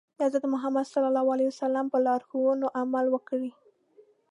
د حضرت محمد ص په لارښوونو عمل وکړي.